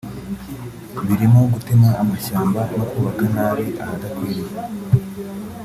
birimo gutema amashyamba no kubaka nabi ahadakwiye